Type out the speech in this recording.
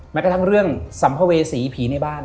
กระทั่งเรื่องสัมภเวษีผีในบ้าน